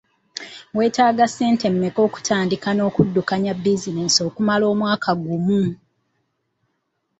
Weetaaga ssente mmeka okutandika n’okuddukanya bizinensi okumala omwaka ogumu?